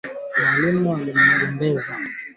ongeza vikombe viwili mbili vya unga